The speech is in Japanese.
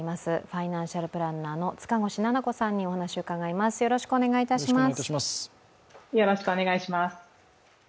ファイナンシャルプランナーの塚越菜々子さんにお話を伺います。